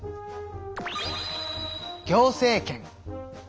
行政権。